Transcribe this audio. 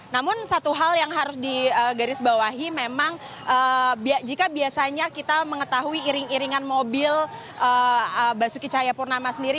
namun satu hal yang harus digarisbawahi memang jika biasanya kita mengetahui iring iringan mobil basuki cahayapurnama sendiri